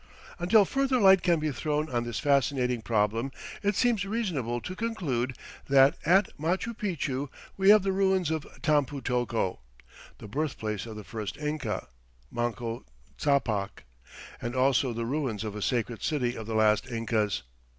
Until further light can be thrown on this fascinating problem it seems reasonable to conclude that at Machu Picchu we have the ruins of Tampu tocco, the birthplace of the first Inca, Manco Ccapac, and also the ruins of a sacred city of the last Incas.